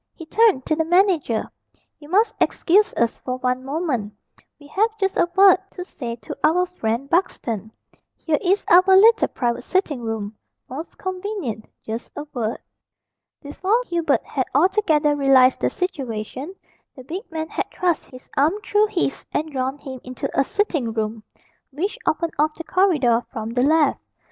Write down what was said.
He turned to the manager. "You must excuse us for one moment, we have just a word to say to our friend Buxton. Here is our little private sitting room most convenient just a word." Before Hubert had altogether realised the situation, the big man had thrust his arm through his, and drawn him into a sitting room which opened off the corridor from the left.